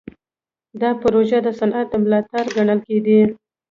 دا پروژې د صنعت د ملا تیر ګڼل کېدې.